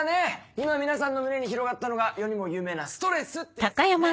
今皆さんの胸に広がったのが世にも有名なストレスってやつですね